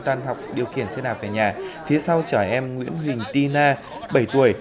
tan học điều khiển xe đạp về nhà phía sau chở em nguyễn huỳnh ti na bảy tuổi